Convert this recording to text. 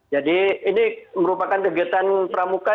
jadi ini merupakan kegiatan pramuka